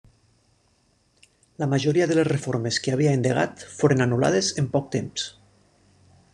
La majoria de les reformes que havia endegat foren anul·lades en poc temps.